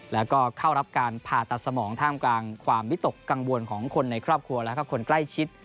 แล้วก็เข้ารับการผ่าตัดสมองท่ามกลางความวิตกกังวลของคนในครอบครัวและคนใกล้ชิด